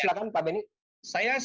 silahkan pak benny